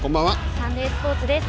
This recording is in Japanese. サンデースポーツです。